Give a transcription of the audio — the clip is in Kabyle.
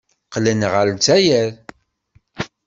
Qqlen ɣer Lezzayer.